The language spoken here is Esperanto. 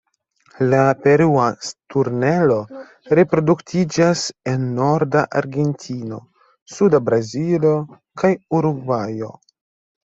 La Perua sturnelo reproduktiĝas en norda Argentino, suda Brazilo, kaj Urugvajo.